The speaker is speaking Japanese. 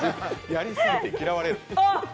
やりすぎて嫌われる。